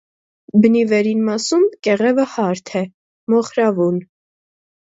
Բնի վերին մասում կեղևը հարթ է, մոխրավուն։